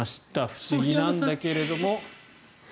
不思議なんだけれども。